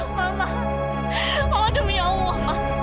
mama mama demi allah ma